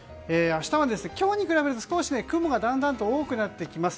明日は今日に比べるとだんだんと雲が多くなってきます。